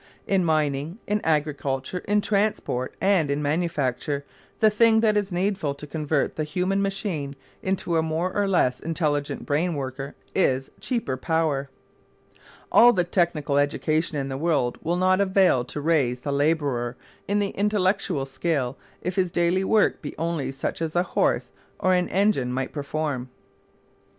In mining, in agriculture, in transport and in manufacture the thing that is needful to convert the "human machine" into a more or less intelligent brainworker is cheaper power. All the technical education in the world will not avail to raise the labourer in the intellectual scale if his daily work be only such as a horse or an engine might perform.